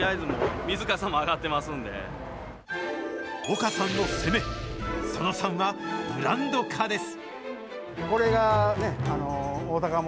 岡さんの攻めその３は、ブランド化です。